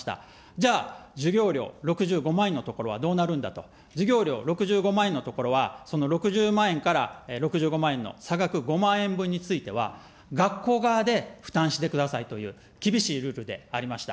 じゃあ、授業料６５万円のところはどうなるんだと、授業料６５万円のところは、その６０万円から６５万円の差額５万円分については、学校側で負担してくださいという、厳しいルールでありました。